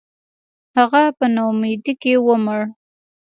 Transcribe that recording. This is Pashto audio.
• هغه په ناامیدۍ کې ومړ.